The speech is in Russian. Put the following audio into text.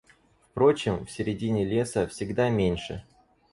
Впрочем, в середине леса всегда меньше.